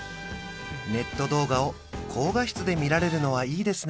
ネット動画を高画質で見られるのはいいですね